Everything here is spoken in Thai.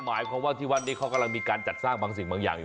หมายความว่าที่วัดนี้เขากำลังมีการจัดสร้างบางสิ่งบางอย่างอยู่